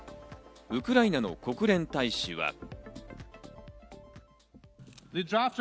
ウクライナの国連大使は。